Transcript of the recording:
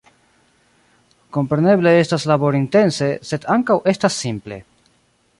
Kompreneble estas laborintense, sed ankaŭ estas simple.